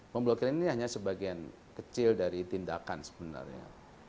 pemblokiran ini hanya sebagian kecil dari tindakan sebenarnya